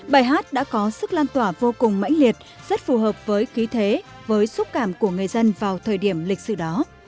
bài hát đã có sức lan tỏa vô cùng mãnh liệt rất phù hợp với khí thế với xúc cảm của người dân vào thời điểm lịch sử đó